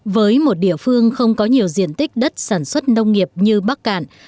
với một địa phương không có nhiều diện tích đất sản xuất nông nghiệp như bắc cạn